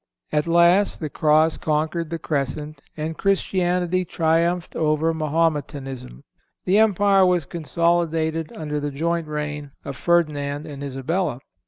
At last the Cross conquered the Crescent, and Christianity triumphed over Mahometanism. The empire was consolidated under the joint reign of Ferdinand and Isabella.